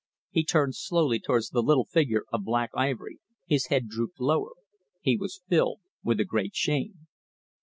He turned slowly towards the little figure of black ivory, his head drooped lower he was filled with a great shame.